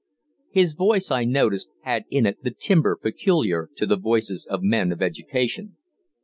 His voice, I noticed, had in it the timbre peculiar to the voices of men of education.